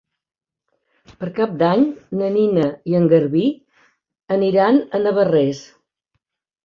Per Cap d'Any na Nina i en Garbí aniran a Navarrés.